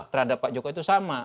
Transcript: terhadap pak jokowi itu sama